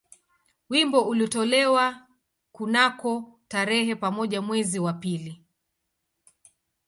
Wimbo ulitolewa kunako tarehe moja mwezi wa pili